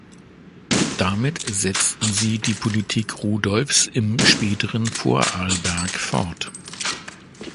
Damit setzten sie die Politik Rudolfs im späteren Vorarlberg fort.